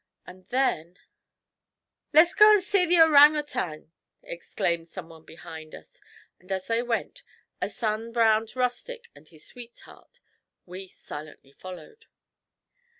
And then 'Les go an' see the orang outang,' exclaimed someone behind us, and as they went, a sun browned rustic and his sweetheart, we silently followed.